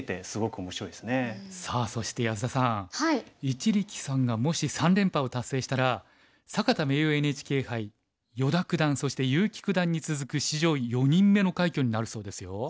一力さんがもし三連覇を達成したら坂田名誉ＮＨＫ杯依田九段そして結城九段に続く史上４人目の快挙になるそうですよ。